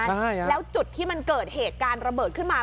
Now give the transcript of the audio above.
ใช่แล้วจุดที่มันเกิดเหตุการณ์ระเบิดขึ้นมา